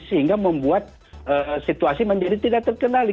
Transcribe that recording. sehingga membuat situasi menjadi tidak terkendali